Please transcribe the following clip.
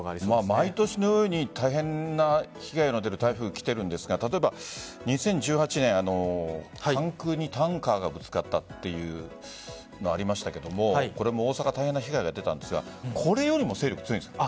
毎年のように大変な被害の出る台風が来ているんですが例えば２０１８年関空にタンカーがぶつかったというのがありましたが大阪大変な被害が出たんですがこれよりも勢力が強いんですか？